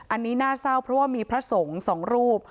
อันนี้น่าเศร้าเพราะว่ามีพระสงฆ์สองรูป